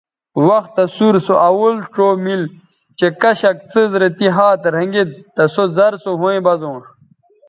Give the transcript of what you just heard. وختہ سور سو اول ڇا مِل چہء کشک څیز رے تی ھات رھنگید تہ سو زر سو ھویں بزونݜ